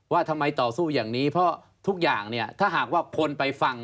ว่าทำไมต่อสู้อย่างนี้เพราะทุกอย่างเนี่ยถ้าหากว่าคนไปฟัง